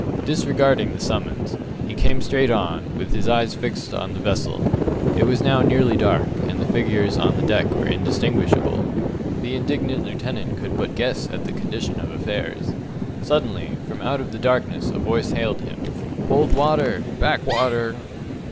Disregarding the summons, he came straight on, with his eyes fixed on the vessel. It was now nearly dark, and the figures on the deck were indistinguishable. The indignant lieutenant could but guess at the condition of affairs. Suddenly, from out of the darkness a voice hailed him "Hold water! back water!"